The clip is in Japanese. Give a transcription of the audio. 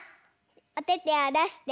おててをだして。